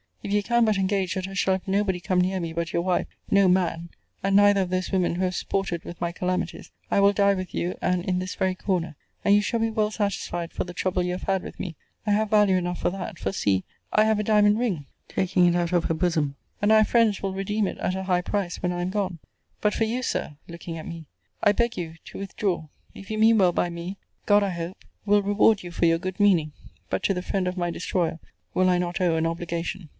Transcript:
If you can but engage that I shall have nobody come near me but your wife, (no man!) and neither of those women who have sported with my calamities, I will die with you, and in this very corner. And you shall be well satisfied for the trouble you have had with me I have value enough for that for, see, I have a diamond ring; taking it out of her bosom; and I have friends will redeem it at a high price, when I am gone. But for you, Sir, looking at me, I beg you to withdraw. If you mean well by me, God, I hope, will reward you for your good meaning; but to the friend of my destroyer will I not owe an obligation.